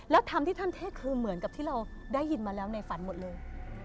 แล้วธรรมที่ท่านเท่คือเหมือนกับที่เราได้ยินมาแล้วในฝันหมดเลย